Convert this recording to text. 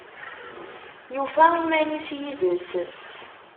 Yufa iman-is yid-s